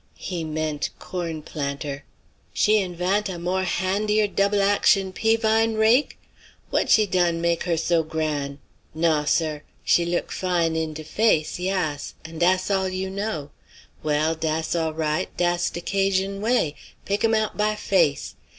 He meant corn planter. "She invant a more handier doubl' action pea vine rake? What she done mak' her so gran'? Naw, sir! She look fine in de face, yass; and dass all you know. Well, dass all right; dass de 'Cajun way pick 'em out by face.